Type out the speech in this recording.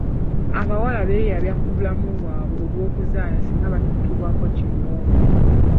Abawala beyabya ku bulamu bwabwe obw'okuzaala singa batuukibwako kinnoomu.